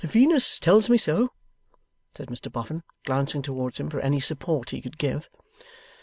'Venus tells me so,' said Mr Boffin, glancing towards him for any support he could give.